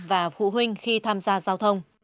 và phụ huynh khi tham gia giao thông